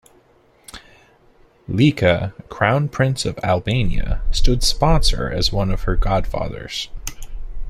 Leka, Crown Prince of Albania, stood sponsor as one of her godfathers.